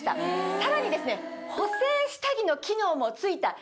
さらにですね。